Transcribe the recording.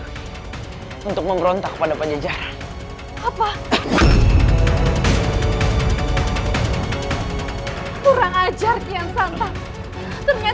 kau sudah mend partner desses pajajaran